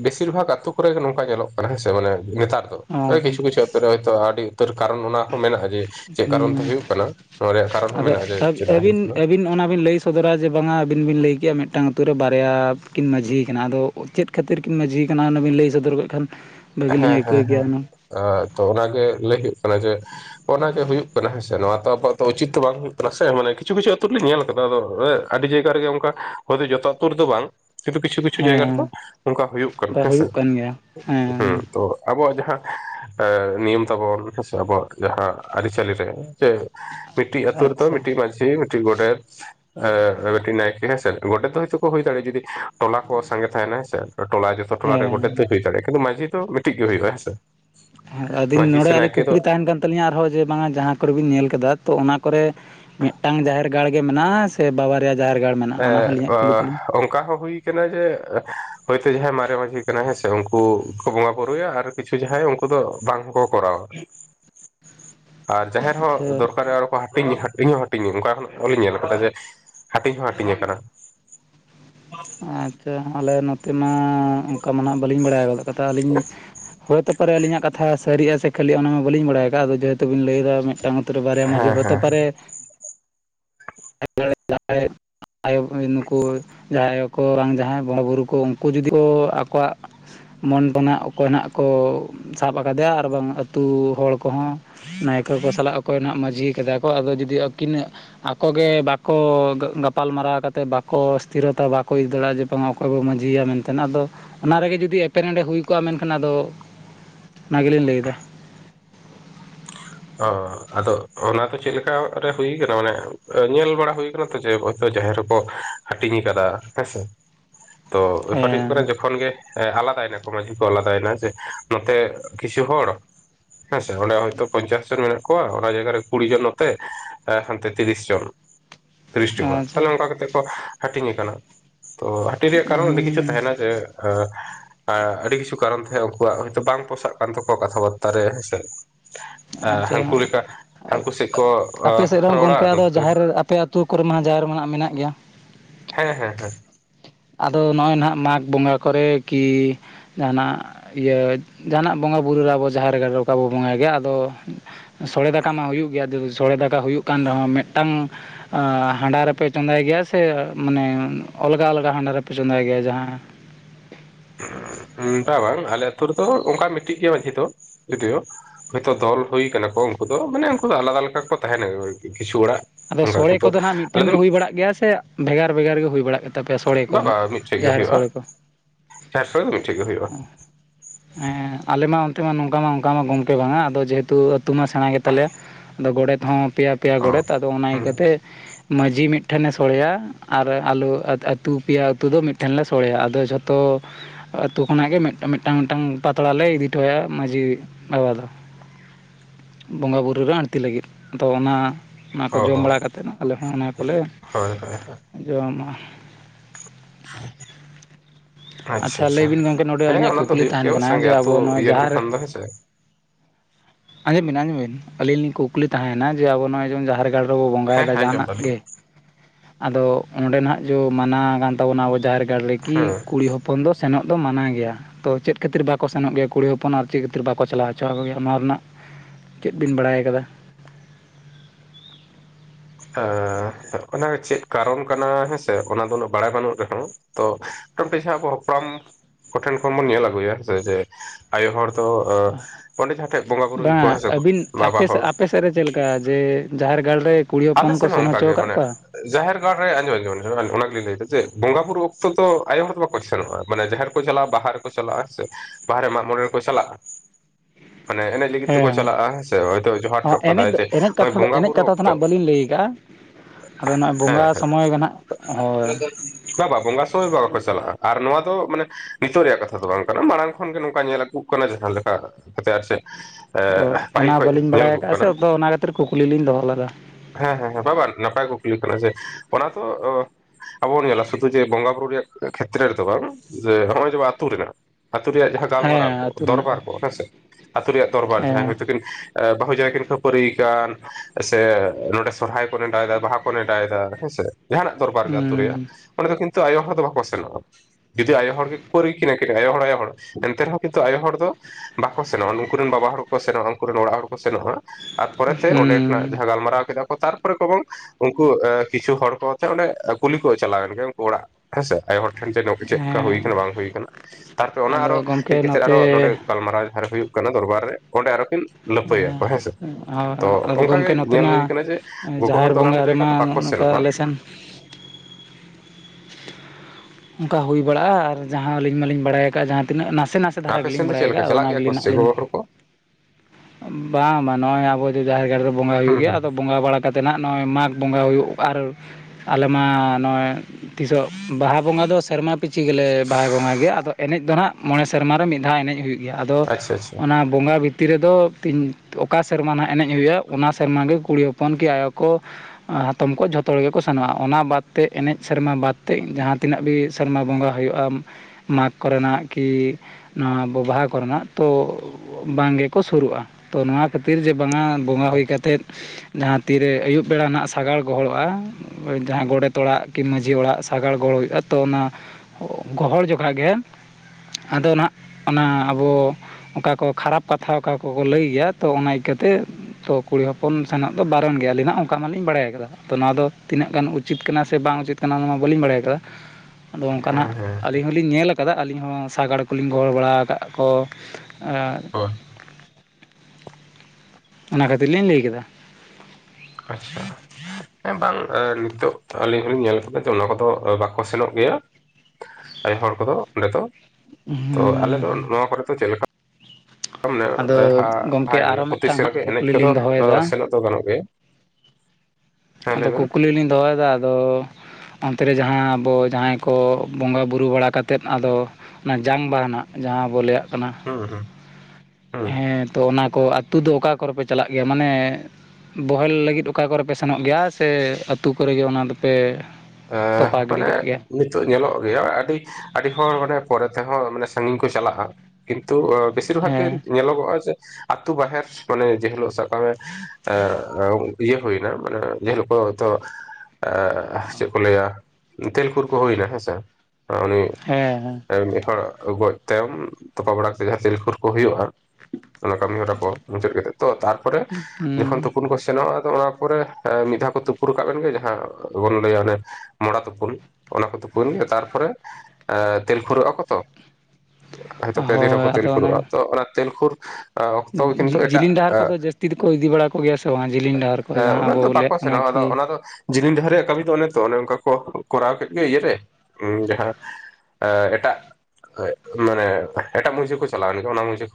ᱵᱮᱥᱤᱨ ᱵᱷᱟᱜᱽ ᱟᱹᱛᱩ ᱠᱚᱨᱮ ᱜᱮ ᱱᱚᱝᱠᱟ ᱧᱮᱞᱚᱜ ᱠᱟᱱᱟ ᱦᱮᱸᱥᱮ ᱢᱟᱱᱮ ᱱᱮᱛᱟᱨ ᱫᱚ ᱛᱚ ᱠᱤᱪᱩ ᱠᱤᱪᱩ ᱟᱛᱳ ᱨᱮ ᱦᱚᱭᱛᱚ ᱟᱹᱰᱤ ᱩᱛᱟᱹᱨ ᱠᱟᱨᱚᱱ ᱚᱱᱟ ᱠᱚ ᱢᱮᱱᱟᱜᱼᱟ ᱡᱮ ᱪᱮᱫ ᱠᱟᱨᱚᱱ ᱛᱮ ᱦᱩᱸ ᱦᱳᱭᱳᱜ ᱠᱟᱱᱟ ᱱᱚᱣᱟ ᱨᱮᱭᱟᱜ ᱠᱟᱨᱚᱱ ᱦᱚᱸ ᱟᱫᱚ ᱢᱮᱱᱟᱜᱼᱟ ᱡᱮ ᱪᱮᱫᱟᱜ ᱦᱩᱭᱩᱜ ᱟᱹᱵᱤᱱ ᱠᱟᱱᱟ ᱟᱹᱵᱤᱱ ᱚᱱᱟ ᱵᱤᱱ ᱞᱟᱹᱭ ᱥᱚᱫᱚᱨᱟ ᱡᱮ ᱵᱟᱝᱟ ᱟᱹᱵᱤᱱ ᱵᱤᱱ ᱞᱟᱹᱭ ᱠᱮᱫᱮᱜᱼᱟ ᱢᱤᱫᱴᱟᱝ ᱟᱛᱩᱨᱮ ᱵᱟᱨᱭᱟ ᱠᱤᱱ ᱢᱟᱺᱡᱷᱤ ᱟᱠᱟᱱᱟ ᱟᱫᱚ ᱪᱮᱫ ᱠᱷᱟᱹᱛᱤᱨ ᱠᱤᱱ ᱢᱟᱺᱡᱷᱤ ᱟᱠᱟᱱᱟ ᱚᱱᱟᱵᱤᱱ ᱞᱟᱹᱭ ᱥᱚᱫᱚᱨ ᱠᱮᱫ ᱠᱷᱟᱱ ᱵᱷᱟᱹᱜᱤ ᱞᱤᱧ ᱦᱮᱸ ᱟᱹᱭᱠᱟᱹᱣ ᱦᱮᱸ ᱠᱮᱭᱟ ᱦᱮᱸ ᱦᱩᱱᱟᱹᱝ ᱛᱚ ᱚᱱᱟᱜᱮ ᱞᱟᱹᱭ ᱦᱩᱭᱩᱜ ᱠᱟᱱᱟ ᱡᱮ ᱚᱱᱟᱜᱮ ᱦᱩᱭᱩᱜ ᱠᱟᱱᱟ ᱦᱮᱸ ᱥᱮ ᱱᱚᱣᱟ ᱛᱚ ᱟᱵᱚᱣᱟᱜ ᱫᱚ ᱩᱪᱤᱛ ᱫᱚ ᱵᱟᱝ ᱦᱩᱭᱩᱜ ᱠᱟᱱᱟ ᱥᱮ ᱢᱟᱱᱮ ᱠᱤᱪᱷᱩ ᱠᱤᱪᱷᱩ ᱟᱛᱩ ᱨᱮᱞᱤᱧ ᱧᱮᱞ ᱟᱠᱟᱫᱟ ᱟᱫᱚ ᱟᱹᱰᱤ ᱡᱟᱭᱜᱮ ᱨᱮᱜᱮ ᱚᱱᱠᱟ ᱦᱚᱭᱛᱚ ᱡᱚᱛᱚ ᱟᱛᱩ ᱨᱮᱫᱚ ᱵᱟᱝ ᱠᱤᱱᱛᱩ ᱠᱤᱪᱷᱩ ᱠᱤᱪᱷᱩ ᱡᱟᱭᱜᱟ ᱨᱮᱫᱚ ᱦᱮᱸ ᱚᱱᱠᱟ ᱦᱩᱭᱩᱜ ᱠᱟᱱᱟ ᱚᱱᱠᱟ ᱦᱮᱸᱥᱮ ᱦᱩᱭᱩᱜ ᱠᱟᱱ ᱜᱮᱭᱟ [unintelligible] ᱦᱮᱸ ᱦᱩᱸ ᱛᱚ ᱟᱵᱚᱣᱟᱜ ᱡᱟᱦᱟᱸ ᱮ ᱱᱤᱭᱚᱢ ᱛᱟᱵᱚᱱ ᱟᱵᱚᱣᱟᱜ ᱡᱟᱦᱟᱸ ᱟᱹᱨᱤᱪᱟᱞᱤ ᱨᱮ ᱡᱮ ᱢᱤᱫᱴᱤᱡ ᱟᱛᱩ ᱨᱮᱫᱚ ᱟᱪᱪᱷᱟ ᱢᱤᱫᱴᱤᱡ ᱢᱟᱡᱷᱤ ᱢᱤᱫᱴᱤᱡ ᱜᱰᱮᱛ ᱢᱤᱫᱴᱤᱡ ᱱᱟᱭᱠᱮ ᱦᱮᱸ ᱥᱮ ᱜᱰᱮᱛ ᱫᱚ [unintelligible] [unintelligible] ᱠᱚ ᱦᱩᱭ ᱫᱟᱲᱮᱭᱟᱜ ᱡᱚᱫᱤ ᱴᱚᱞᱟ ᱠᱚ ᱥᱟᱜᱮ ᱛᱟᱦᱮᱱᱟ ᱦᱮᱸ ᱥᱮ ᱴᱚᱞᱟ ᱡᱚᱛᱚ ᱴᱚᱞᱟ ᱨᱮ ᱜᱚᱰᱮᱛ ᱦᱮᱸ ᱫᱚᱭ ᱦᱩᱭ ᱫᱟᱲᱮᱜ-ᱟ᱾ ᱠᱤᱱᱛᱩ ᱢᱟᱡᱷᱤ ᱫᱚ ᱢᱤᱴᱤᱡ ᱜᱮ ᱦᱩᱭᱩᱜᱼᱟ ᱦᱮᱸᱥᱮ? ᱟᱫᱤᱱ ᱢᱟᱺᱡᱷᱤ ᱱᱚᱰᱮ ᱥᱮ ᱟᱞᱮ ᱱᱟᱭᱠᱮ ᱫᱚ ᱠᱩᱠᱞᱤ ᱛᱟᱦᱮᱱ ᱠᱟᱱ ᱛᱟᱹᱟᱞᱤᱧᱟ ᱟᱨᱦᱚᱸ ᱡᱮ ᱵᱟᱝᱟ ᱡᱟᱦᱟᱸ ᱠᱚᱨᱮ ᱵᱤᱱ ᱧᱮᱞ ᱠᱟᱫᱟ ᱛᱚ ᱚᱱᱟ ᱠᱚᱨᱮ ᱢᱤᱫᱴᱟᱝ ᱡᱟᱦᱮᱨ ᱜᱟᱲ ᱜᱮ ᱢᱮᱱᱟᱜᱼᱟ ᱥᱮ ᱵᱟᱵᱟᱨᱭᱟ ᱡᱟᱦᱮᱨ ᱜᱟᱲ ᱢᱮᱱᱟᱜᱼᱟ ᱮ ᱚᱱᱟ ᱦᱚᱸ ᱟᱹᱞᱤᱧᱟᱜ ᱚ ᱠᱩᱞᱤ ᱛᱟᱹᱞᱤᱧ ᱚᱱᱠᱟ ᱦᱚᱸ ᱦᱩᱭ ᱠᱟᱱᱟ ᱡᱮ ᱦᱚᱳᱭᱛᱳ ᱡᱟᱦᱟᱸᱭ ᱢᱟᱨᱮ ᱢᱟᱺᱡᱷᱤ ᱠᱟᱱᱟᱭ ᱦᱮᱸᱥᱮ ᱩᱱᱠᱩ ᱠᱚ ᱵᱚᱸᱜᱟ ᱵᱩᱨᱩᱭᱟ ᱟᱨ ᱠᱤᱪᱷᱩ ᱡᱟᱦᱟᱸᱭ ᱩᱱᱠᱩ ᱫᱚ ᱵᱟᱝ ᱦᱚᱸᱠᱚ ᱠᱚᱨᱟᱣᱟ᱾ ᱟᱨ ᱡᱟᱦᱮᱨ ᱦᱚᱸ ᱟᱪᱪᱷᱟ ᱫᱚᱨᱠᱟᱨᱚᱜᱼᱟ ᱟᱨ ᱦᱟᱹᱴᱤᱧ ᱦᱚᱸ ᱦᱟᱹᱴᱤᱧ ᱦᱟᱹᱴᱤᱧᱟ ᱚᱱᱠᱟ ᱠᱷᱚᱱ ᱛᱷᱚᱞᱤᱧ ᱧᱮᱞ ᱟᱠᱟᱫᱟ ᱡᱮ ᱦᱟᱹᱴᱤᱧ ᱦᱚᱸ ᱦᱟᱹᱴᱤᱧ ᱟᱠᱟᱱᱟ᱾ ᱟᱪᱪᱷᱟ ᱟᱞᱮ ᱱᱚᱛᱮ ᱢᱟ ᱚᱱᱠᱟ ᱢᱟ ᱦᱟᱸᱜ ᱵᱟᱹᱞᱤᱧ ᱵᱟᱲᱟᱭ ᱜᱚᱫ ᱠᱟᱛᱷᱟ ᱟᱹᱞᱤᱧ ᱦᱳᱭᱛᱚ ᱯᱚᱨᱮ ᱟᱹᱞᱤᱧᱟᱜ ᱠᱟᱛᱷᱟᱹᱨᱤᱜᱼᱟ ᱥᱮ ᱠᱷᱟᱹᱞᱤᱼᱟ ᱚᱱᱟ ᱢᱟ ᱵᱟᱹᱞᱤᱧ ᱵᱟᱲᱟᱭ ᱟᱠᱟᱜᱼᱟ ᱟᱫᱚ ᱡᱮᱦᱮᱛᱩᱚᱵᱤᱱ ᱞᱟᱹᱭᱮᱫᱟ᱾ ᱢᱤᱫᱴᱟᱝ ᱵᱟᱨᱭᱟ ᱢᱡᱷᱤ ᱦᱮᱸ ᱦᱛᱮ ᱦᱮᱸ ᱯᱟᱨᱮ ᱟᱛᱳᱨᱮ ᱡᱟᱦᱟᱸᱭ ᱟᱭᱳᱵ ᱦᱚᱭ ᱱᱩᱠᱩ ᱡᱟᱦᱟᱸᱭ ᱠᱚ ᱨᱟᱝ ᱡᱟᱦᱟᱸᱭ ᱵᱚᱸᱜᱟᱼᱵᱳᱩᱨᱩ ᱠᱚ ᱩᱱᱠᱩ ᱡᱩᱫᱤ ᱠᱚ ᱟᱠᱚᱣᱟᱜ ᱢᱚᱱᱯᱚᱱᱟᱜ ᱚᱠᱚᱭ ᱱᱟᱦᱱᱟᱜ ᱠᱚ ᱥᱟᱵ ᱟᱠᱟᱫᱮᱭᱟ ᱟᱨ ᱵᱟᱝᱟᱝ ᱟᱹᱛᱩ ᱦᱚᱲ ᱠᱚᱦᱚᱸ ᱱᱟᱭᱠᱮ ᱠᱚ ᱥᱟᱞᱟᱜ ᱚᱠᱚᱭ ᱱᱟᱦᱟᱜ ᱢᱟᱹᱡᱷᱤ ᱠᱟᱫᱮ ᱠᱚ ᱟᱫᱚ ᱡᱩᱫᱤ ᱟᱹᱠᱤᱱ ᱟ ᱠᱚᱜᱮ ᱵᱟᱠᱚ ᱜᱟᱯᱟᱞᱢᱟᱨᱟᱣ ᱠᱟᱛᱮᱫ ᱵᱟᱠᱚ ᱥᱛᱷᱤᱨᱚᱛᱟ ᱵᱟᱠᱚ ᱤᱫ ᱫᱟᱲᱮᱭᱟᱜᱼᱟ ᱡᱮ ᱚᱝᱼᱟ ᱚᱠᱚᱭ ᱵᱚ ᱢᱟᱺᱡᱷᱤᱭᱟ ᱢᱮᱱᱛᱮ ᱟᱫᱚ ᱚᱱᱟ ᱨᱮᱜᱮ ᱡᱩᱫᱤ ᱮᱯᱮᱨᱮᱰᱸ ᱦᱩᱭ ᱠᱚᱜᱼᱟ ᱢᱮᱱᱠᱷᱟᱱ ᱟᱫᱚ, [inaudible] ᱚᱱᱟ ᱜᱮᱞᱤᱧ ᱞᱟᱹᱭᱮᱫᱟ᱾ ᱚ ᱟᱫᱚ ᱚᱱᱟ ᱫᱚ ᱪᱮᱫᱞᱮᱠᱟ ᱨᱮ ᱦᱩᱭ ᱟᱠᱟᱱᱟ ᱢᱟᱱᱮ ᱧᱮᱞ ᱵᱟᱲᱟ ᱦᱩᱭ ᱠᱟᱱᱟᱛᱚ ᱚᱛᱚ ᱡᱟᱦᱮᱨ ᱨᱮᱠᱚ ᱦᱟᱹᱴᱤᱧ ᱠᱟᱫᱟ ᱦᱮᱸᱥᱮ? ᱛᱚ ᱵᱮᱯᱷᱟᱨ ᱦᱩᱭᱩᱜ ᱠᱟᱱᱟ ᱦᱮᱸ ᱡᱚᱠᱷᱚᱱ ᱜᱮ ᱮ ᱟᱞᱟᱫᱟᱭᱱᱟᱠᱚ ᱢᱺᱡᱷᱤ ᱠᱚ ᱟᱞᱟᱫᱟᱭᱱᱟ ᱥᱮ ᱱᱚᱛᱮ ᱠᱤᱪᱷᱩ ᱦᱚᱲ ᱦᱮᱸ ᱥᱮ ᱚᱰᱮ ᱦᱚᱭᱛᱚ ᱯᱚᱧᱪᱟᱥ ᱡᱚᱱ ᱢᱮᱱᱟᱜ ᱠᱚᱣᱟ ᱚᱱᱟ ᱡᱟᱭᱜᱟ ᱨᱮ ᱠᱩᱲᱤ ᱡᱚᱱ ᱱᱚᱛᱮ ᱟᱨ ᱦᱟᱱᱛᱮ ᱛᱤᱨᱤᱥ ᱡᱚᱱ᱾ ᱛᱤᱨᱤᱥ ᱴᱤ ᱚᱲᱟᱜ ᱟᱪᱪᱷᱟ ᱛᱟᱦᱚᱞᱮ ᱚᱱᱠᱟ ᱠᱟᱛᱮᱜ ᱠᱚ ᱦᱟᱹᱴᱤᱧ ᱟᱠᱟᱱᱟ ᱛᱚ ᱦᱟᱹᱴᱤᱧ ᱨᱮᱭᱟᱜ ᱠᱟᱨᱚᱱ ᱟᱹᱰᱤ ᱠᱤᱪᱷᱩ ᱦᱩᱸ ᱛᱟᱦᱮᱱᱟ ᱡᱮᱼᱼ ᱟᱸᱜᱼᱼ ᱟᱸ ᱟᱹᱰᱤ ᱠᱤᱪᱷᱩ ᱠᱟᱨᱚᱱ ᱛᱟᱦᱮᱸ ᱩᱱᱠᱩᱣᱟᱜ ᱦᱚᱭᱛᱚ ᱵᱟᱝ ᱯᱚᱥᱟᱜ ᱠᱟᱱ ᱛᱟᱠᱚᱣᱟ ᱠᱟᱛᱷᱟ ᱵᱟᱨᱛᱟ ᱨᱮ ᱦᱮᱸᱥᱮ᱾ ᱮᱸ ᱟᱪᱪᱷᱟ ᱦᱟᱹᱱᱠᱩ ᱞᱮᱠᱟ ᱦᱟᱹᱱᱠᱩ ᱥᱮᱜ ᱠᱚ ᱚ ᱨᱚᱲᱟ ᱱᱚᱛᱮᱼᱼ ᱛᱩ ᱠᱚᱨᱮ ᱢᱟ ᱡᱟᱦᱮᱨ ᱢᱟ ᱢᱮᱱᱟᱜ ᱜᱮᱭᱟ᱾ ᱦᱮᱸ ᱦᱮᱸ ᱦᱮᱸ᱾ ᱟᱫᱚ ᱱᱚᱜ-ᱚᱭ ᱱᱟᱦᱟᱸᱜ ᱢᱟᱜᱽ ᱵᱚᱸᱜᱟ ᱠᱚᱨᱮ ᱠᱤᱼᱼ ᱡᱟᱦᱟᱸ ᱱᱟᱜ ᱤᱭᱟᱹ ᱡᱟᱦᱟᱸ ᱱᱟᱜ ᱵᱚᱸᱜᱟᱼᱵᱩᱨᱩ ᱨᱮ ᱟᱵᱚ ᱡᱟᱦᱮᱨ ᱜᱟᱲ ᱨᱮ ᱚᱱᱠᱟ ᱵᱚ ᱵᱚᱸᱜᱟᱭ ᱜᱮᱭᱟ ᱟᱫᱚᱼᱼ ᱥᱚᱲᱮ ᱫᱟᱠᱟ ᱢᱟ ᱦᱩᱭᱩᱜ ᱜᱮᱭᱟ ᱡᱩᱫᱤ‌ ᱥᱚᱲᱮ ᱫᱟᱠᱟ ᱦᱩᱭᱩᱜ ᱠᱟᱱ ᱨᱮᱦᱚᱸ ᱢᱮᱜᱴᱟᱝᱼᱼ ᱚᱻ ᱦᱟᱸᱰᱟ ᱨᱮᱯᱮ ᱪᱚᱸᱫᱟᱭ ᱜᱮᱭᱟ ᱥᱮ ᱢᱟᱱᱮ ᱚᱞᱜᱟ ᱚᱞᱚᱜᱽᱼᱼ ᱦᱟᱸᱰᱟ ᱨᱮᱯᱮ ᱪᱚᱸᱫᱟᱭ ᱜᱮᱭᱟ ᱡᱟᱦᱟᱸ ᱦᱩᱸ ᱚᱝᱠᱟ ᱵᱟᱝ ᱟᱞᱮ ᱟᱹᱛᱩ ᱨᱮᱫᱚ ᱚᱱᱠᱟ ᱢᱤᱫᱴᱤᱡ ᱜᱮ ᱢᱟᱡᱷᱤ ᱫᱚ ᱡᱩᱫᱤᱭᱳ ᱱᱤᱛᱳᱜ ᱫᱚ ᱦᱳᱭᱠᱟᱱᱟᱠᱚ ᱦᱩᱭ ᱠᱟᱱᱟ ᱠᱚ ᱩᱱᱠᱩ ᱫᱚ ᱢᱟᱱᱮ ᱩᱱᱠᱩ ᱫᱚ ᱟᱞᱟᱫᱟ ᱞᱮᱠᱟ ᱠᱚ ᱛᱟᱦᱮᱱᱟ ᱟᱨᱠᱤ ᱠᱤᱪᱷᱩ ᱚᱲᱟᱜ ᱟᱫᱚ ᱚᱱᱠᱟ ᱥᱚᱲᱮ ᱠᱤᱱᱛᱩ ᱠᱚᱫᱚ ᱦᱟᱸᱜ ᱟᱞᱮ ᱢᱤᱫᱴᱷᱮᱱ ᱫᱚ ᱜᱮ ᱦᱩᱭ ᱵᱟᱲᱟᱜ ᱜᱮᱭᱟ ᱥᱮ ᱵᱷᱮᱜᱟᱨ ᱵᱷᱮᱜᱟᱨ ᱜᱮ ᱦᱩᱭ ᱵᱟᱲᱟᱜ-ᱟ? ᱛᱟᱯᱮᱭᱟ ᱥᱚᱲᱮ ᱠᱚ ᱵᱟᱵᱟ ᱦᱟᱸᱜ ᱢᱤᱫᱴᱷᱮᱡ ᱜᱮ ᱡᱟᱦᱮᱨ ᱦᱩᱭᱩᱜᱼᱟ ᱥᱚᱲᱮ ᱠᱚ᱾ ᱪᱟᱨᱥᱚ ᱫᱚ ᱢᱤᱫᱴᱷᱮᱡ ᱜᱮ ᱦᱩᱭᱩᱜᱼᱟ ᱦᱮᱸ ᱟᱞᱮ ᱢᱟ ᱚᱱᱛᱮ ᱢᱟ ᱱᱚᱝᱠᱟ ᱢᱟ ᱚᱱᱠᱟ ᱢᱟ ᱜᱚᱝᱠᱮ ᱵᱟᱝᱟ ᱟᱫᱚ ᱡᱮ ᱦᱮᱛᱩ ᱟᱹᱛᱩ ᱢᱟ ᱥᱮᱬᱟ ᱜᱮᱛᱟ ᱞᱮᱭᱟ᱾ ᱟᱫᱚ ᱜᱚᱰᱮᱛ ᱦᱚᱸ ᱯᱮᱭᱟ ᱯᱮᱭᱟ ᱚ ᱜᱚᱰᱮᱛ ᱟᱫᱚ ᱚᱱᱟ ᱦᱩᱸ ᱤᱭᱠᱟᱹ ᱛᱮ᱾ ᱢᱟᱺᱡᱷᱤ ᱢᱤᱫ ᱴᱷᱮᱱᱮ ᱥᱚᱲᱮᱭᱟ ᱟᱨ ᱟᱞᱚ ᱟᱹᱛᱩ ᱯᱮᱭᱟ ᱟᱸᱛᱩ ᱫᱚ ᱢᱤᱫᱼᱼ ᱴᱷᱮᱱ ᱞᱮ ᱥᱚᱲᱮᱭᱟ ᱟᱫᱚ ᱡᱷᱚᱛᱚᱼᱼ ᱟᱹᱛᱩ ᱠᱷᱚᱱᱟᱜ ᱜᱮ ᱢᱤᱜᱴᱟᱝ ᱢᱤᱜᱴᱟᱝ ᱯᱟᱛᱲᱟ ᱞᱮ ᱤᱫᱤ ᱚᱴᱚ ᱣᱟᱭᱟ ᱢᱟᱺᱡᱷᱤ ᱵᱟᱵᱟ ᱫᱚ᱾ ᱵᱚᱸᱜᱟ ᱵᱩᱨᱩ ᱨᱮ ᱟᱬᱛᱤ ᱞᱟᱹᱜᱤᱫ ᱛᱚ ᱚᱱᱟᱼᱼ ᱚᱱᱟ ᱠᱚ ᱚ ᱡᱚᱢ ᱚ ᱵᱟᱲᱟ ᱠᱟᱛᱮᱫ ᱟᱞᱮ ᱦᱚᱸ ᱚᱱᱟ ᱠᱚᱞᱮ ᱦᱳᱭ ᱦᱳᱭ ᱦᱳᱭ ᱡᱚᱢᱟ᱾ [inaudible] ᱟᱪᱪᱷᱟ ᱞᱟᱹᱭ ᱟᱪᱪᱷᱟ ᱵᱤᱱ ᱜᱚᱢᱠᱮ ᱱᱚᱰᱮ ᱦᱮᱸ ᱟᱹᱞᱤᱧᱟᱜ ᱚᱱᱟ ᱫᱚ ᱠᱩᱠᱞᱤ ᱦᱩᱭᱩᱜ ᱛᱟᱦᱮᱱ ᱜᱮᱭᱟ ᱠᱟᱱᱟ ᱥᱟᱸᱜᱮ ᱡᱮ ᱟᱛᱩ ᱟᱵᱚ ᱱᱚᱜᱼᱚᱭ ᱤᱭᱟᱹ ᱡᱟᱦᱟᱸ ᱨᱮ ᱞᱮᱱᱠᱷᱟᱱ ᱫᱚ ᱦᱮᱸᱥᱮ᱾ ᱟᱸᱡᱚᱢ ᱵᱤᱱ ᱟᱧᱡᱚᱢ‌ ᱵᱤᱱ ᱟᱹᱞᱤᱧ ᱞᱤᱧ ᱠᱩᱠᱞᱤ ᱛᱟᱦᱮᱱᱟ ᱡᱮ ᱟᱵᱚ ᱱᱚᱜ-ᱚᱭ ᱡᱮᱢᱚᱱ ᱡᱟᱦᱮᱨ ᱜᱟᱲ ᱨᱮᱵᱚ ᱵᱚᱸᱜᱟ ᱦᱮᱸ ᱭᱮᱫᱟ ᱦᱮᱸ ᱡᱟᱦᱟᱸ ᱟᱸᱡᱚᱢ ᱱᱟᱜ ᱫᱟᱞᱤᱧ ᱜᱮᱼᱼ ᱟᱫᱚ ᱚᱸᱰᱮ ᱱᱟᱦᱟᱸᱜ ᱡᱚ ᱢᱟᱱᱟ ᱠᱟᱱ ᱛᱟᱵᱚᱱᱟ ᱟᱵᱚ ᱡᱟᱦᱮᱨ ᱜᱟᱲ ᱨᱮᱠᱤ ᱦᱮᱸ ᱠᱩᱲᱤ ᱦᱚᱯᱼᱼ ᱦᱚᱯᱚᱱ ᱫᱚ ᱥᱮᱱᱚᱜ ᱫᱚ ᱢᱟᱱᱟ ᱜᱮᱭᱟ᱾ ᱛᱚ ᱪᱮᱫ ᱠᱷᱟᱹᱛᱤᱨ ᱵᱟᱠᱚ ᱥᱮᱱᱚᱜ ᱜᱮᱭᱟ ᱠᱩᱲᱤ ᱦᱚᱯᱚᱱ ᱟᱨ ᱪᱤᱜ ᱠᱷᱟᱹᱛᱤᱨ ᱵᱟᱠᱚ ᱪᱟᱞᱟᱣ ᱦᱚᱪᱚ ᱟᱠᱚ ᱜᱮᱭᱟ ᱚᱱᱟ ᱨᱮᱱᱟᱜᱼᱼ ᱪᱮᱫ ᱵᱤᱱ ᱵᱟᱲᱟᱭ ᱠᱟᱫᱟ? ᱟᱻ ᱚᱱᱟ ᱪᱮᱫ ᱠᱟᱨᱚᱱ ᱠᱟᱱᱟ ᱦᱮᱸᱥᱮ ᱚᱱᱟ ᱫᱚ ᱩᱱᱟᱹᱜ ᱵᱟᱲᱟᱭ ᱵᱟᱹᱱᱩᱜ ᱨᱮᱦᱚᱸᱼᱼ ᱛᱚ ᱢᱚᱴᱟ-ᱢᱩᱴᱤ ᱦᱟᱸᱜ ᱟᱵᱚ ᱦᱟᱯᱲᱟᱢ ᱠᱚᱴᱷᱮᱱ ᱠᱷᱚᱱ ᱵᱚᱱ ᱧᱮᱞ ᱟᱹᱜᱩᱭᱟ ᱦᱮᱸ ᱥᱮ ᱡᱮᱼᱼ ᱟᱭᱳ ᱦᱚᱲ ᱫᱚ ᱚ ᱚᱸᱰᱮ ᱡᱟᱦᱟᱸ ᱴᱷᱮᱡ ᱵᱚᱸᱜᱟ ᱵᱩᱨᱩᱭ ᱜᱮ ᱠᱚ ᱵᱟᱝ ᱦᱮᱸ ᱥᱮ ᱠᱚ ᱟᱹᱵᱤᱱ ᱵᱟᱵᱟ ᱟᱯᱮ ᱥᱮᱫ ᱦᱚᱲᱼᱼ ᱟᱯᱮ ᱥᱮᱫ ᱨᱮ ᱪᱮᱫ ᱞᱮᱠᱟ ᱡᱮ ᱡᱟᱦᱮᱨ ᱜᱟᱲ ᱨᱮ ᱠᱩᱲᱤ ᱦᱚᱯᱚᱱ ᱠᱚ ᱦᱚᱸ ᱥᱮᱱ ᱦᱚᱪᱚᱣ ᱚᱱᱠᱟᱜᱮ ᱠᱟᱜ ᱢᱟᱱᱮ ᱠᱚᱣᱟ? ᱡᱟᱦᱮᱨ ᱜᱟᱲ ᱨᱮ ᱟᱸᱡᱚᱢ ᱟᱧᱡᱚᱢ ᱟᱧᱡᱚᱢ ᱵᱮᱱ ᱚᱱᱟ ᱜᱮᱞᱤᱧ ᱞᱟᱹᱭ ᱫᱟ ᱡᱮ ᱵᱚᱸᱜᱟ ᱵᱩᱨᱩ ᱚᱠᱛᱚ ᱫᱚ ᱟᱭᱳ ᱦᱚᱲ ᱫᱚ ᱵᱟᱠᱚ ᱥᱮᱱᱚᱜ-ᱟ ᱢᱟᱱᱮ ᱡᱟᱦᱮᱨᱼᱼ ᱠᱚ ᱪᱟᱞᱟᱜ-ᱟ ᱵᱟᱦᱟ ᱨᱮ ᱠᱚ ᱪᱟᱞᱟᱜ-ᱟ ᱦᱸᱮ ᱥᱮ ᱵᱟᱦᱟ ᱨᱮ ᱢᱟᱜ ᱢᱚᱬᱮ ᱨᱮᱠᱚ ᱪᱟᱞᱟᱜ-ᱟ, ᱢᱟᱱᱮ ᱮᱱᱮᱡᱼᱼ ᱞᱟᱹᱜᱤᱫ ᱛᱮᱠᱚ ᱦᱮᱸ ᱪᱟᱞᱟᱜ-ᱟ ᱦᱮᱸᱥᱮ ᱦᱚᱭᱛᱳ ᱡᱚᱦᱟᱨ ᱴᱚ ᱦᱚᱸ ᱮᱱᱮᱡ ᱠᱟᱫᱟᱭ ᱫᱚ ᱡᱮ ᱮᱱᱮᱡ ᱱᱚᱜ-ᱚᱭ ᱠᱟᱛᱷᱟ ᱫᱚ ᱵᱚᱸᱜᱟ ᱮᱱᱮᱡ ᱵᱩᱨᱩ ᱠᱟᱛᱷᱟ ᱫᱚ ᱚᱠᱛᱚᱼᱼ ᱱᱟᱦᱟᱜ ᱵᱟᱹᱞᱤᱧ ᱞᱟᱹᱭ ᱠᱟᱜ-ᱟ ᱟᱫᱚ ᱱᱟᱦᱟᱸᱜ ᱵᱚᱸᱜᱟ ᱥᱚᱢᱚᱭ ᱜᱮ ᱱᱟᱦᱟᱸᱜ ᱦᱚᱭᱼᱼ ᱵᱟᱼᱵᱟ ᱵᱚᱸᱜᱟ ᱥᱚᱢᱚᱭ ᱵᱟᱠᱚ ᱪᱟᱞᱟᱜ-ᱟ ᱟᱨ ᱱᱚᱣᱟ ᱫᱚ ᱢᱟᱱᱮᱼᱼ ᱱᱤᱛᱚᱜ ᱨᱮᱭᱟᱜ ᱠᱟᱛᱷᱟ ᱫᱚ ᱵᱟᱝ ᱠᱟᱱᱟ ᱢᱟᱬᱟᱝ ᱠᱷᱚᱱ ᱜᱮ ᱱᱚᱝᱠᱟ ᱧᱮᱞ ᱟᱹᱜᱩᱜ ᱠᱟᱱᱟ ᱡᱟᱦᱟᱸ ᱞᱮᱠᱟ ᱠᱟᱛᱮᱜ ᱟᱨ ᱪᱮᱜ᱾ ᱦᱚᱭ ᱚᱱᱟ ᱵᱟᱹᱞᱤᱧ ᱵᱟᱲᱟᱭ ᱠᱟᱜ-ᱟ ᱥᱮ ᱛᱚ ᱚᱱᱟ ᱠᱷᱟᱹᱛᱤᱨ ᱠᱩᱠᱞᱤ ᱞᱤᱧ ᱫᱚᱦᱚ ᱞᱮᱫᱟ᱾ ᱦᱮᱸ ᱦᱮᱸᱸ ᱵᱟᱼᱵᱟ ᱱᱟᱯᱟᱭ ᱠᱩᱠᱞᱤ ᱠᱟᱱᱟ ᱡᱮ ᱚᱱᱟ ᱦᱚᱸᱛᱚ ᱚᱼᱼ ᱟᱵᱚ ᱵᱚᱱ ᱧᱮᱞᱟ ᱥᱩᱫᱩ ᱡᱮ ᱵᱚᱸᱜᱟ ᱵᱩᱨᱩ ᱨᱮᱭᱟᱜ ᱠᱷᱮᱛᱨᱚ ᱨᱮᱫᱚ ᱵᱟᱝ ᱡᱮ ᱱᱚᱜ-ᱚᱭ ᱡᱮ ᱟᱛᱩ ᱨᱮᱱᱟᱜᱼᱼ ᱟᱛᱩ ᱨᱮᱭᱟᱜ ᱡᱟᱦᱟᱸ ᱜᱟᱞᱢᱟᱨᱟᱣ ᱠᱚ ᱦᱮᱸ ᱟᱹᱛᱩ ᱨᱮᱱᱟᱜ ᱜᱮ ᱫᱚᱨᱵᱟᱨ ᱠᱚ ᱦᱮᱸ ᱥᱮ ᱟᱛᱩ ᱨᱮᱭᱟᱜ ᱫᱚᱨᱵᱟᱨ ᱡᱟᱦᱟᱸᱭ ᱦᱮᱸ ᱦᱚᱭᱛᱚ ᱠᱤᱱᱼᱼ ᱮ ᱵᱟᱹᱦᱩ ᱡᱟᱶᱟᱭ ᱠᱤᱱ ᱠᱷᱟᱹᱯᱟᱹᱨᱤᱭ ᱠᱟᱱ ᱥᱮᱼᱼ ᱮ ᱱᱚᱸᱰᱮ ᱥᱚᱨᱦᱟᱭ ᱠᱚ ᱱᱮᱱᱰᱟ ᱭᱮᱫᱟ ᱵᱟᱦᱟ ᱠᱚ ᱱᱮᱰᱟ ᱭᱮᱫᱟ ᱦᱮᱸᱥᱮ ᱡᱟᱦᱟᱸ ᱱᱟᱜ ᱫᱚᱨᱠᱟᱨ ᱜᱮ ᱟᱛᱩ ᱨᱮᱭᱟᱜᱼᱼ ᱦᱩᱸ ᱚᱱᱰᱮ ᱠᱤᱱᱛᱩ ᱟᱭᱚ ᱦᱚᱲ ᱫᱚ ᱵᱟᱠᱚ ᱥᱮᱱᱚᱜ-ᱟ᱾ ᱡᱩᱫᱤ ᱟᱭᱚ ᱦᱚᱲ ᱜᱮ ᱠᱷᱟᱹᱯᱟᱹᱨᱤᱭ ᱠᱤᱱᱟ ᱠᱤᱱ ᱟᱭᱚ ᱦᱚᱲ ᱟᱭᱚ ᱦᱚᱲ ᱮᱱᱛᱮ ᱨᱮᱦᱚᱸ ᱠᱤᱱᱛᱩ ᱟᱭᱚ ᱦᱚᱲ ᱫᱚᱼᱼ ᱵᱟᱠᱚ ᱥᱮᱱᱚᱜ-ᱟ ᱱᱩᱠᱩ ᱨᱮᱱ ᱵᱟᱵᱟ ᱦᱚᱲ ᱠᱚ ᱥᱮᱱᱚᱜ-ᱟ ᱩᱱᱠᱩ ᱨᱮᱱ ᱚᱲᱟᱜ ᱦᱚᱲ ᱠᱚ ᱥᱮᱱᱚᱜ-ᱟ᱾ ᱟᱨ ᱯᱚᱨᱮᱛᱮ ᱚᱸᱰᱮ ᱠᱷᱚᱱᱟᱜ ᱦᱩᱸ ᱡᱟᱦᱟᱸ ᱜᱟᱞᱢᱟᱨᱟᱣ ᱠᱮᱫᱟ ᱠᱚ ᱛᱟᱨᱯᱚᱨᱮ ᱠᱚ ᱵᱚᱱᱼᱼ ᱩᱱᱠᱩ ᱠᱤᱪᱷᱩ ᱦᱚᱲ ᱠᱚ ᱟᱛᱮ ᱚᱸᱰᱮ ᱠᱩᱞᱤ ᱠᱚ ᱪᱟᱞᱟᱣ ᱮᱱ ᱜᱮ ᱩᱱᱠᱩ ᱚᱲᱟᱜ ᱦᱮᱸᱥᱮ ᱟᱭᱳ ᱦᱚᱲ ᱼᱼ ᱴᱷᱮᱱ ᱡᱮ ᱪᱮᱫ ᱞᱮᱠᱟ ᱦᱩᱭᱩ ᱦᱮᱸ ᱟᱠᱟᱱᱟ ᱵᱟᱝ ᱦᱩᱭᱩ ᱟᱠᱟᱱᱟ ᱛᱟᱨᱯᱚᱨ ᱚᱱᱟ ᱟᱨᱚ ᱟᱫᱚ ᱜᱚᱢᱠᱮ ᱦᱮᱡ ᱠᱟᱛᱮ ᱟᱨᱚ ᱱᱚᱛᱮ ᱱᱚᱰᱮ ᱼᱼ ᱜᱟᱞᱢᱟᱨᱟᱣ ᱦᱩᱭᱩᱜ ᱠᱟᱱᱟ ᱫᱚᱨᱵᱟᱨ ᱨᱮ ᱚᱸᱰᱮ ᱟᱨᱦᱚ ᱠᱤᱱ ᱼᱼ ᱟᱫᱚ ᱜᱚᱢᱠᱮ ᱚᱱᱠᱟᱜᱮ ᱱᱚᱛᱮ ᱧᱮᱞ ᱢᱟ ᱦᱩᱭ ᱠᱟᱱᱟ ᱡᱮ ᱼᱼ ᱜᱚᱜᱚ ᱦᱚᱲ ᱡᱟᱦᱮᱨ ᱫᱚ ᱚᱱᱟ ᱠᱚ ᱵᱚᱸᱜᱟ ᱡᱟᱭᱜᱟ ᱨᱮᱢᱟ ᱫᱚ ᱵᱟᱠᱚ ᱱᱚᱜᱼᱚ ᱱᱚᱝᱠᱟ ᱥᱮᱱᱚᱜᱼᱟ ᱟᱞᱮ ᱥᱮᱱ ᱼᱼ ᱚᱱᱠᱟ ᱦᱩᱭ ᱵᱟᱲᱟᱜᱼᱟ ᱟᱨ ᱡᱟᱦᱟᱸ ᱟᱞᱤᱧ ᱢᱟᱞᱤᱧ ᱵᱟᱲᱟᱭ ᱠᱟᱜᱼᱟ ᱡᱟᱦᱟᱸᱛᱤᱱᱟᱹᱜ ᱱᱟᱥᱮ ᱱᱟᱥᱮ ᱼᱼ ᱱᱟᱥᱮ ᱫᱷᱟᱨᱟ ᱟᱯᱮ ᱜᱮᱞᱤᱧ ᱥᱮᱱ ᱫᱚ ᱵᱟᱲᱟᱭ ᱪᱮᱫ ᱞᱮᱠᱟ ᱟᱠᱟᱫᱼᱟ ᱪᱟᱞᱟᱜ ᱚᱱᱟ ᱜᱮᱭᱟ ᱜᱮᱞᱤ ᱠᱚ ᱥᱮ ᱱᱟᱦᱟᱜ ᱞᱤᱧ ᱜᱚᱜᱚ ᱼᱼ ᱦᱚᱲ ᱠᱚ ᱵᱟᱝ ᱵᱟᱝ ᱱᱚᱜᱼᱚᱭ ᱟᱵᱚ ᱡᱮ ᱡᱟᱦᱮᱨ ᱜᱟᱲ ᱨᱮ ᱵᱚᱸᱜᱟ ᱦᱩᱭᱩᱜ ᱦᱩᱸ ᱜᱮᱭᱟ ᱦᱩᱸ ᱟᱫᱚ ᱼᱼ ᱵᱚᱸᱜᱟ ᱵᱟᱲᱟ ᱠᱟᱛᱮᱫ ᱱᱟᱦᱟᱜ ᱱᱚᱜᱼᱚᱭ ᱢᱟᱜᱽ ᱵᱚᱸᱜᱟ ᱦᱩᱭᱩᱜ ᱟᱨ ᱟᱞᱮᱢᱟ ᱱᱚᱜᱼᱚᱭ ᱼᱼ ᱛᱤᱥᱚᱜ ᱵᱟᱦᱟ ᱵᱚᱸᱜᱟ ᱫᱚ ᱥᱮᱨᱢᱟ ᱯᱤᱪᱷᱤ ᱜᱮᱞᱮ ᱵᱟᱦᱟ ᱵᱚᱸᱜᱟ ᱜᱮᱭᱟ ᱟᱫᱚ ᱮᱱᱮᱡ ᱫᱚ ᱱᱟᱦᱟᱜ ᱢᱚᱬᱮ ᱥᱮᱨᱢᱟᱨᱮ ᱢᱤᱫ ᱫᱷᱟᱣ ᱮᱱᱮᱡ ᱦᱩᱭᱩᱜ ᱾ ᱜᱮ ᱟᱫᱚ ᱟᱪᱪᱷᱟ ᱟᱪᱪᱷᱟ ᱚᱱᱟ ᱵᱚᱸᱜᱟ ᱵᱷᱤᱛᱤᱨ ᱨᱮᱫᱚ ᱼᱼ ᱛᱤᱱ ᱚᱠᱟ ᱥᱮᱨᱢᱟ ᱱᱟ ᱦᱟᱸᱜ ᱮᱱᱮᱡ ᱦᱩᱭᱩᱜ-ᱟ ᱚᱱᱟ ᱥᱮᱨᱢᱟ ᱜᱮ ᱠᱩᱲᱤ ᱦᱚᱯᱚᱱ ᱠᱤ ᱟᱭᱳ ᱠᱚᱼᱼ ᱟᱸᱻ ᱦᱟᱛᱚᱢ ᱠᱚ ᱡᱷᱚᱛᱚ ᱦᱚᱲ ᱜᱮᱠᱚ ᱥᱮᱱᱚᱜ-ᱟ ᱚᱱᱟ ᱵᱟᱫᱽ ᱛᱮ ᱮᱱᱮᱡ ᱥᱮᱨᱢᱟ ᱵᱟᱫᱽ ᱛᱮ ᱡᱟᱦᱟᱸ ᱛᱤᱱᱟᱹᱜ ᱜᱤᱼᱼ ᱥᱮᱨᱢᱟ ᱵᱚᱸᱜᱟ ᱦᱩᱭᱩᱜ-ᱟᱢ ᱢᱟᱜᱽ ᱠᱚᱨᱮ ᱱᱟᱜ ᱠᱤᱼᱼ ᱱᱚᱣᱟ ᱵᱚᱵᱟᱦᱟ ᱠᱚᱨᱮᱱᱟᱜ ᱛᱚ ᱵᱟᱝ ᱜᱮᱠᱚ ᱥᱩᱨᱩᱜᱼᱟ᱾ ᱛᱚ ᱱᱚᱣᱟ ᱠᱷᱟᱹᱛᱤᱨ ᱡᱮ ᱵᱟᱝᱟ ᱵᱚᱸᱜᱟ ᱦᱩᱭ ᱟᱪᱪᱷᱟ ᱠᱟᱛᱮᱫ ᱼᱼ ᱡᱟᱦᱟᱸ ᱛᱤᱨᱮ ᱟᱹᱭᱩᱵ ᱵᱮᱲᱟ ᱱᱟᱜ ᱥᱟᱜᱟᱲ ᱜᱚᱦᱚᱲᱚᱜᱼᱟ ᱾ ᱡᱟᱦᱟᱸ ᱜᱚᱰᱮᱛ ᱚᱲᱟᱜ ᱠᱤ ᱢᱟᱹᱡᱷᱤ ᱚᱲᱟᱜ ᱥᱟᱜᱟᱲ ᱜᱚᱦᱚᱲ ᱦᱩᱭᱩᱜᱼᱟ ᱛᱚ ᱚᱱᱟ ᱼᱼ ᱠᱚ ᱜᱚᱦᱚᱲ ᱡᱚᱠᱷᱟ ᱜᱮ ᱼᱼ ᱟᱫᱚ ᱱᱟᱦᱟᱜ ᱚᱱᱟ ᱟᱵᱚ ᱚᱠᱟ ᱠᱚ ᱠᱷᱟᱨᱟᱯ ᱠᱟᱛᱷᱟ ᱚᱠᱟ ᱠᱚ ᱼᱼ ᱠᱚ ᱞᱟᱹᱭ ᱜᱮᱭᱟ ᱛᱚ ᱚᱱᱟ ᱤᱠᱟᱹᱛᱮ ᱼᱼ ᱛᱚ ᱠᱩᱲᱤ ᱦᱚᱯᱚᱱ ᱥᱮᱱᱚᱜ ᱫᱚ ᱵᱟᱨᱚᱱ ᱜᱮᱭᱟ ᱞᱤᱱᱟᱜ ᱚᱱᱠᱟ ᱦᱚᱞᱤᱧ ᱵᱟᱲᱟᱭ ᱟᱠᱟᱫᱟ ᱟᱫᱚ ᱱᱚᱣᱟ ᱫᱚ ᱛᱤᱱᱟᱹᱜ ᱜᱟᱱ ᱩᱪᱤᱛ ᱠᱟᱱᱟ ᱥᱮ ᱵᱟᱝ ᱩᱪᱤᱛ ᱼᱼ ᱠᱟᱱᱟ ᱚᱱᱟ ᱫᱚᱞᱤᱧ ᱵᱟᱹᱞᱤᱧ ᱵᱟᱲᱟᱭ ᱠᱟ ᱾ [inaudible] ᱟᱫᱚ ᱦᱮᱸ ᱚᱱᱠᱟᱱᱟᱜ ᱦᱮᱸ ᱟᱹᱞᱤᱧ ᱦᱚᱸ ᱼᱼ ᱞᱤᱧ ᱧᱮᱞ ᱟᱠᱟᱫᱟ ᱟᱹᱞᱤᱧ ᱦᱚᱸ ᱥᱟᱜᱟᱲ ᱠᱚᱞᱤᱧ ᱜᱚᱲ ᱵᱟᱲᱟ ᱟᱠᱟ ᱠᱚ ᱟᱨ ᱼᱼ ᱦᱳᱭ ᱼᱼ ᱚᱱᱟ ᱠᱷᱟᱹᱛᱤᱨ ᱞᱤᱧ ᱞᱟᱹᱭ ᱠᱮᱫᱟ ᱾ ᱟᱪᱪᱷᱟ ᱾ ᱦᱮᱸ ᱵᱟᱝ ᱱᱤᱛᱚᱜ ᱟᱹᱞᱤᱧ ᱦᱚᱞᱤᱧ ᱧᱮᱞ [unintelligible] ᱱᱚᱣᱟ ᱠᱚᱫᱚ ᱵᱟᱠᱚ ᱥᱮᱱᱚᱜ ᱜᱮᱭᱟ ᱟᱭᱳ ᱦᱚᱲ ᱠᱚᱫᱚ ᱱᱤᱛᱚᱜ ᱛᱚ ᱟᱞᱮ ᱫᱚ ᱱᱚᱣᱟ ᱠᱚᱨᱮ ᱫᱚ ᱪᱮᱫᱞᱮᱠᱟ ᱼᱼ ᱟᱫᱚ ᱜᱚᱢᱠᱮ ᱟᱨᱦᱚᱸ [unintelligible] ᱯᱨᱚᱛᱤ ᱢᱤᱫᱴᱟᱝ ᱥᱮᱱ ᱦᱟᱸᱜ ᱮᱱᱮᱡ ᱠᱩᱠᱞᱤ ᱠᱚᱫᱚ ᱞᱤᱧ ᱫᱚᱦᱚᱭᱮᱫᱟ ᱥᱮᱱᱚᱜ ᱫᱚ ᱜᱟᱱᱚᱜ ᱜᱮᱭᱟ ᱾ ᱟᱫᱚ ᱠᱩᱠᱞᱤ ᱞᱤᱧ ᱫᱚᱦᱚᱭᱮᱫᱟ ᱟᱫᱚ ᱼᱼ ᱚᱱᱛᱮ ᱨᱮ ᱡᱟᱦᱟᱸ ᱟᱵᱚ ᱡᱟᱦᱟᱸᱭ ᱠᱚ ᱵᱚᱸᱜᱟᱼᱵᱩᱨᱩ ᱵᱟᱲᱟ ᱠᱟᱛᱮᱫ ᱟᱫᱚ ᱼᱼ ᱚᱱᱟ ᱡᱟᱝᱵᱟᱦᱟᱱᱟᱜ ᱡᱟᱦᱟᱸ ᱵᱚ ᱞᱟᱹᱭᱟᱜ ᱠᱟᱱᱟ ᱾ ᱦᱮᱸ ᱦᱮᱸ ᱦᱮᱸ ᱛᱚ ᱚᱱᱟ ᱠᱚ ᱟᱛᱩ ᱫᱚ ᱚᱠᱟ ᱠᱚᱨᱮᱯᱮ ᱪᱟᱞᱟᱜ ᱜᱮᱭᱟ ᱢᱟᱱᱮ ᱼᱼ ᱵᱚᱦᱮᱞ ᱞᱟᱹᱜᱤᱫ ᱚᱠᱟ ᱠᱚᱨᱮ ᱯᱮ ᱥᱮᱱᱚᱜ ᱜᱮᱭᱟ ᱥᱮ ᱟᱹᱛᱩ ᱠᱚᱨᱮ ᱜᱮ ᱚᱱᱟ ᱫᱚᱯᱮ ᱾ ᱟ ᱢᱟᱱᱮ ᱼᱼ ᱧᱮᱞᱚᱜ ᱜᱮᱭᱟ ᱟᱹᱰᱤ ᱟᱹᱰᱤ ᱦᱚᱲ ᱢᱟᱱᱮ ᱯᱚᱨᱮ ᱛᱮᱦᱚᱸ ᱢᱟᱱᱮ ᱥᱟᱜᱤᱧ ᱠᱚ ᱪᱟᱞᱟᱜᱼᱟ ᱠᱤᱱᱛᱩ ᱼᱼ [unintelligible] ᱠᱤᱱ ᱦᱮᱸ ᱧᱮᱞᱚᱜᱚᱜᱼᱟ ᱡᱮ ᱟᱛᱳ ᱵᱟᱦᱮᱨ ᱢᱟᱱᱮ ᱡᱮ ᱦᱤᱞᱳᱜ ᱥᱟᱠᱟᱢᱮ ᱼᱼ ᱤᱭᱟᱹ ᱦᱩᱭᱱᱟ ᱢᱟᱱᱮ [unintelligible] ᱦᱚᱛᱚ ᱼᱼ ᱛᱤᱞᱠᱩᱨᱠᱚ ᱦᱩᱭᱱᱟ ᱦᱮᱸᱥᱮ ᱩᱱᱤ ᱦᱮᱸᱻ ᱦᱮᱸ ᱢᱤᱫ ᱦᱚᱲᱚᱲ ᱜᱚᱭ ᱛᱟᱭᱚᱢ ᱛᱚᱯᱟ ᱵᱟᱲᱟ ᱠᱟᱮᱛ ᱡᱟᱸᱦᱟ ᱛᱮᱞᱠᱩᱨ ᱠᱚ ᱦᱩᱭᱩᱜᱼᱟ ᱚᱱᱟ ᱠᱟᱹᱢᱤᱦᱚᱨᱟ ᱠᱚ ᱢᱩᱪᱟᱹᱫ ᱠᱟᱛᱮ ᱛᱚ ᱛᱟᱨᱯᱚᱨᱮ ᱦᱩᱸ ᱡᱚᱠᱷᱚᱱ ᱛᱩᱯᱩᱱ ᱠᱚ ᱥᱮᱱᱚᱜᱼᱟ ᱼᱼ ᱟᱫᱚ ᱚᱱᱟ ᱯᱚᱨᱮ ᱢᱤᱫ ᱫᱷᱟᱣ ᱠᱚ ᱛᱩᱯᱩ ᱨᱟᱠᱟᱵ ᱜᱮ ᱡᱟᱦᱟᱸ ᱟᱫᱚ ᱵᱩᱱ ᱼᱼ ᱞᱟᱹᱭ ᱟᱞᱮ ᱢᱚᱲᱟ ᱛᱩᱯᱩᱱ ᱚᱱᱟ ᱠᱚ ᱛᱩᱯᱩᱱ ᱛᱟᱨᱯᱚᱨᱮ ᱛᱮᱞ ᱯᱷᱩᱨᱩᱣ ᱦᱚᱸᱛᱳ [unintelligible] ᱯᱮᱫᱤᱱ ᱦᱳᱭ ᱨᱮᱠᱚ ᱟᱫᱚ ᱚᱱᱮ ᱛᱮᱞᱠᱷᱩᱨᱚᱜᱼᱟ ᱛᱚ ᱚᱱᱟ ᱛᱮᱞᱠᱷᱩᱨ ᱾ ᱡᱤᱞᱤᱧ ᱰᱟᱦᱟᱨ ᱠᱚᱫᱚ ᱡᱟᱹᱥᱛᱤ ᱫᱚᱠᱚ ᱤᱫᱤ ᱵᱟᱲᱟ ᱠᱚᱜᱮᱭᱟ ᱥᱮ ᱵᱟᱝ ᱡᱤᱞᱤᱧ ᱰᱟᱦᱟᱨ ᱠᱚ ᱡᱟᱦᱟᱸ ᱩᱱᱟᱹᱜ ᱟᱵᱚ ᱫᱚ ᱵᱚᱞᱮ? ᱵᱟᱠᱚ ᱟᱫᱚ ᱚᱱᱟ ᱫᱚ ᱡᱤᱱᱤ ᱰᱟᱦᱟᱨ ᱨᱮᱭᱟᱜ ᱠᱟᱹᱢᱤ ᱼᱼ ᱛᱳ ᱚᱱᱮ ᱛᱚ ᱚᱱᱮ ᱚᱱᱠᱟ ᱠᱚ ᱠᱚᱨᱟᱣ ᱠᱮᱫ ᱜᱮ ᱤᱭᱟᱹ ᱨᱮ ᱡᱟᱦᱟᱸ ᱮ ᱮᱴᱟᱜ ᱦᱳᱭ ᱢᱟᱱᱮ ᱮᱴᱟᱜ ᱢᱩᱦᱡᱟᱹ ᱠᱚ ᱪᱟᱞᱟᱣᱮᱱ ᱜᱮ ᱚᱱᱟ ᱢᱩᱦᱡᱟᱹ ᱠᱷᱚᱱᱟᱜ ᱾